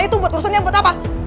itu buat urusan yang buat apa